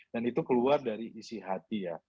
dan itu keluar dari isi hati ya